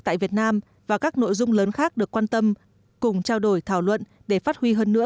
tại việt nam và các nội dung lớn khác được quan tâm cùng trao đổi thảo luận để phát huy hơn nữa